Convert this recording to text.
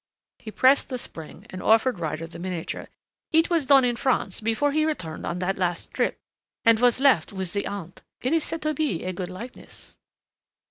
He pressed the spring and offered Ryder the miniature. "It was done in France before he returned on that last trip, and was left with the aunt. It is said to be a good likeness."